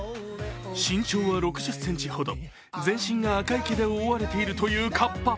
身長は６０ｃｍほど、全身が赤い毛で覆われているというカッパ。